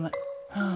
はあ。